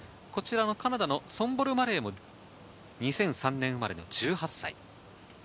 カナダのソンボル・マレーも２００３年生まれの１８歳。